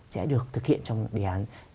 sẽ được thực hiện trong đề án chín mươi chín